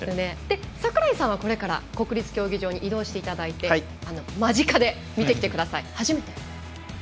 櫻井さんはこれから国立競技場に移動していただいて間近で見てきてください。